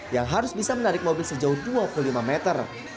yang harus bisa menarik mobil sejauh dua puluh lima meter